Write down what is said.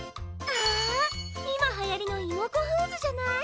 あいまはやりのイモコフーズじゃない！